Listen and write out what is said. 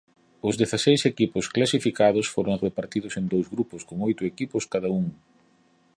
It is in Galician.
Os dezaseis equipos clasificados foron repartidos en dous grupos con oito equipos cada un.